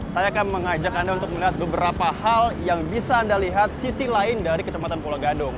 saya akan mengajak anda untuk melihat beberapa hal yang bisa anda lihat sisi lain dari kecepatan pulau gadung